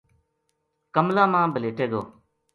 کَملاں ما بھلیٹے گیو